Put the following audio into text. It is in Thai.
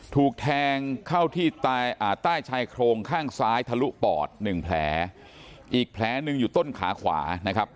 ถูกแทงเข้าที่ใต้ชายโครงข้างซ้ายทะลุปอดหนึ่งแผลอีกแผลหนึ่งอยู่ต้นขาขวานะครับ